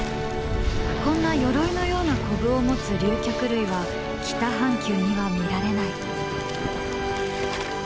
こんなよろいのようなコブを持つ竜脚類は北半球には見られない。